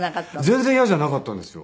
全然嫌じゃなかったんですよ。